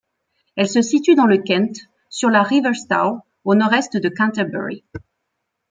Elle se situe dans le Kent, sur la River Stour, au nord-est de Canterbury.